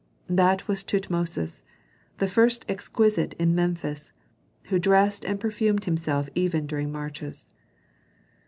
That was Tutmosis, the first exquisite in Memphis, who dressed and perfumed himself even during marches.